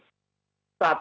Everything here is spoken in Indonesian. satu untuk memulih kelas rumah